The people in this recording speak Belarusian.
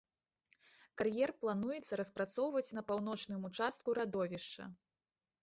Кар'ер плануецца распрацоўваць на паўночным участку радовішча.